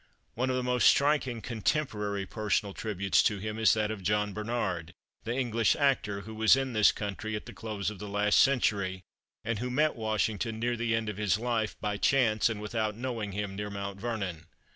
One of the most striking contemporary personal tributes to him is that of John Bernard, the English actor, who was in this country at the close of the last century, and who met Washington near the end of his life, by chance and without knowing him, near Mount Vernon.